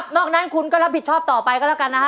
นอกนั้นคุณก็รับผิดชอบต่อไปก็แล้วกันนะฮะ